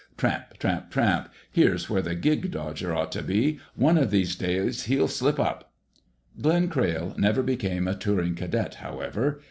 Tramp, tramp, tramp.... Here's where the 'gig' dodger ought to be! One of these days, he'll slip up...." Glenn Crayle never became a "touring cadet," however.